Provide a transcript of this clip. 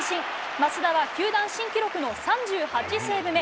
益田は球団新記録の３８セーブ目。